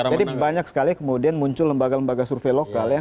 jadi banyak sekali kemudian muncul lembaga lembaga survei lokal ya